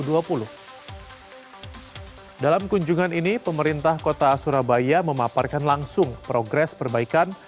dalam kunjungan ini pemerintah kota surabaya memaparkan langsung progres perbaikan